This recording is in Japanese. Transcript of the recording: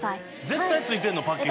絶対ついてます。